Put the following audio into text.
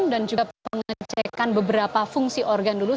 dan juga pengecekan beberapa fungsi organ dulu